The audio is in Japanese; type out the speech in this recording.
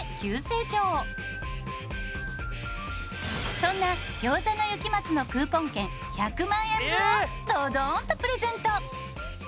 そんな餃子の雪松のクーポン券１００万円分をドドーンとプレゼント！